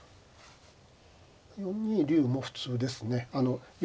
４二竜も普通ですね。